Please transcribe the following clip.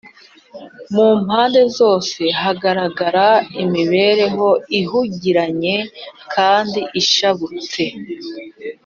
mu mpande zose hagaragaraga imibereho ihugiranye kandi ishabutse